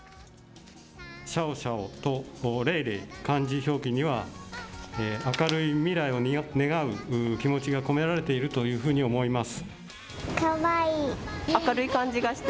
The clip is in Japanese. シャオシャオとレイレイ、漢字表記には明るい未来を願う気持ちが込められているというふうに思います。